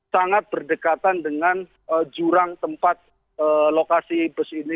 sangat berdekatan dengan jurang tempat lokasi bus ini